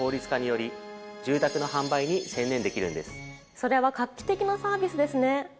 それは画期的なサービスですね。